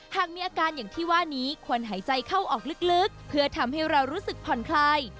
หากมีอาการอย่างที่ว่านี้ควรหายใจเข้าออกลึกเพื่อทำให้เรารู้สึกผ่อนคลาย